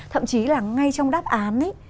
thậm chí là ngay trong đáp án